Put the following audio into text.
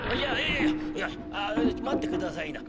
「いやいやいや待ってくださいな。